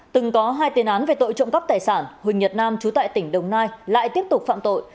từng có hai tiền án về tội trộm cắp tài sản huỳnh nhật nam trú tại tỉnh đồng nai lại tiếp tục phạm tội